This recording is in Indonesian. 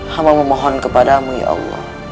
hama memohon kepadamu ya allah